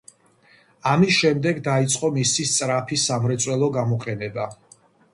ამის შემდეგ დაიწყო მისი სწრაფი სამრეწველო გამოყენება.